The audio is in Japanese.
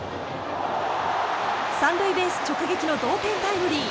３塁ベース直撃の同点タイムリー。